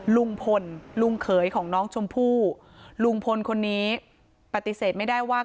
ลุงพลลุงเขยของน้องชมพู่ลุงพลคนนี้ปฏิเสธไม่ได้ว่า